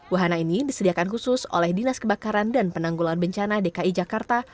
wahana ini disediakan khusus oleh dinas kebakaran dan penanggulan bencana dki jakarta